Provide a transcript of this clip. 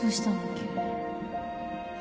急に